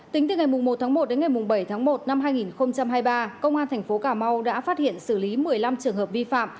tính từ ngày một một đến ngày bảy một hai nghìn hai mươi ba công an tp cà mau đã phát hiện xử lý một mươi năm trường hợp vi phạm